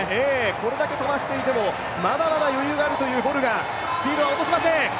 これだけ飛ばしていてもまだまだ余裕があるというボルが、スピードを落としません。